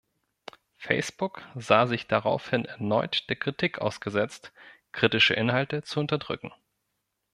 Facebook sah sich daraufhin erneut der Kritik ausgesetzt, kritische Inhalte zu unterdrücken.